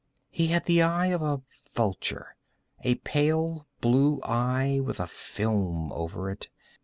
He had the eye of a vulture—a pale blue eye, with a film over it.